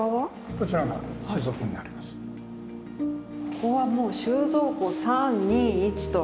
ここはもう収蔵庫３２１と。